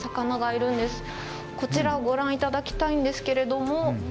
こちらをご覧いただきたいんですけれども。